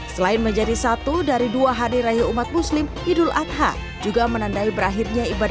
selain menjadi satu dari dua hadirahi umat muslim idul adha juga menandai berakhirnya